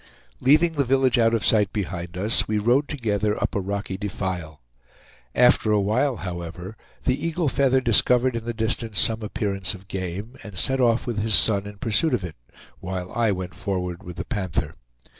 Leaving the village out of sight behind us, we rode together up a rocky defile. After a while, however, the Eagle Feather discovered in the distance some appearance of game, and set off with his son in pursuit of it, while I went forward with the Panther.